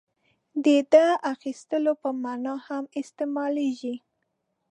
• دې د اخیستلو په معنیٰ هم استعمالېږي.